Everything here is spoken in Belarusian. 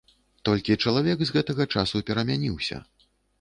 Толькі чалавек з гэтага часу перамяніўся.